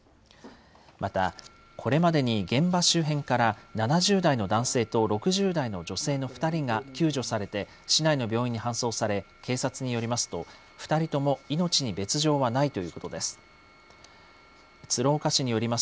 また、これまでに現場周辺から、７０代の男性と６０代の女性の２人が救助されて、市内の病院に搬送され、警察によりますと、２人とも命に別状はないということです。